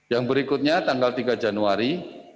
yang berikutnya tanggal tiga januari